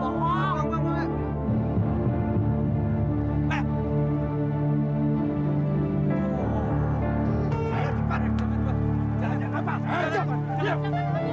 jangan tuhan jangan jangan